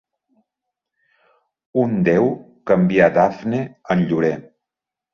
Un déu canvià Dafne en llorer.